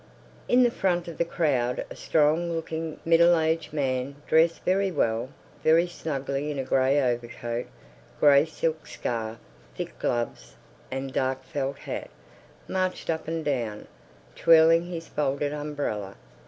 In the front of the crowd a strong looking, middle aged man, dressed very well, very snugly in a grey overcoat, grey silk scarf, thick gloves and dark felt hat, marched up and down, twirling his folded umbrella.